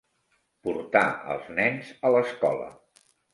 Portar els nens a l'escola.